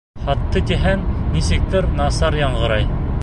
Һатты тиһәң, нисектер насар яңғырай.